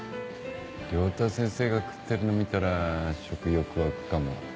良太先生が食ってるの見たら食欲湧くかも。